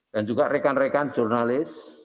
dan juga rekan rekan jurnalis